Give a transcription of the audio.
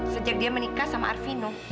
sejak dia menikah sama arvino